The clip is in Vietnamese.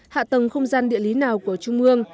hạ tầng không gian địa lý nào của trung ương